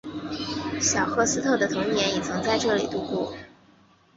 小赫斯特的童年也曾在这里度过。